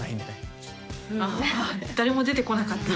誰も出てこなかった。